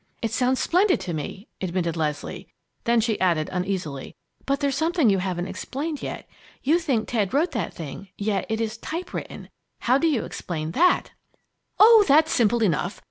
"It sounds splendid to me," admitted Leslie, then she added uneasily: "But there's something you haven't explained yet. You think Ted wrote that thing, yet it is type written! How do you explain that?" "Oh, that's simple enough!